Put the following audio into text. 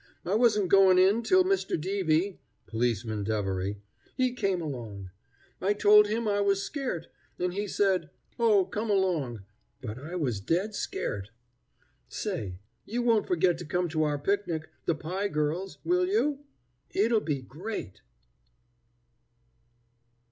I wasn't goin' in till Mr. Deevy [Policeman Devery] he came along. I told him I was scart, and he said: 'Oh, come along.' But I was dead scart. "Say, you won't forget to come to our picnic, the 'Pie Girls,' will you? It'll be great."